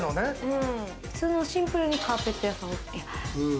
普通のシンプルにカーペット屋さん。